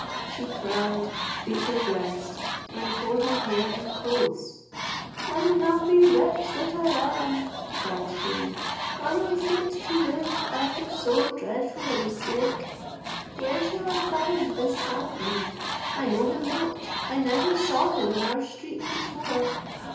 She cried, beat her breast, and tore her hair and clothes. "Unhappy wretch that I am," cried she, "am I fit to live after so dreadful a mistake! Where shall I find this sandman? I know him not, I never saw him in our street before.